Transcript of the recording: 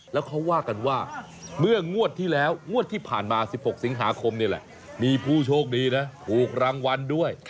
แล้วเขาว่ากันว่าเมื่องวดที่แล้วงวดที่ผ่านมา๑๖สิงหาคมนี่แหละมีผู้โชคดีนะถูกรางวัลด้วย